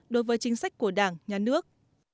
đối với chính sách của đảng nhà nước